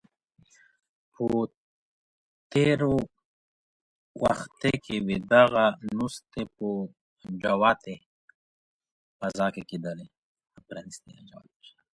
په تېرو وختونو کي به دغه ناستې په پرانیستې فضا کي کيدلي.